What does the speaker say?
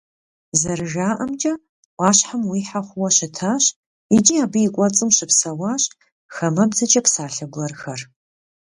ЗэрыжаӀэмкӀэ, Ӏуащхьэм уихьэ хъууэ щытащ, икӀи абы и кӀуэцӀым щыпсэуащ «хамэбзэкӀэ псалъэ гуэрхэр».